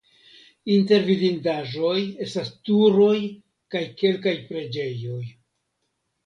Inter vidindaĵoj estas turoj kaj kelkaj preĝejoj.